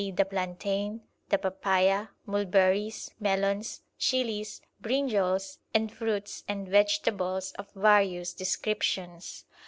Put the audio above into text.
the plantain, the papya, mulberries, melons, chillis, brinjols, and fruits and vegetables of various descriptions.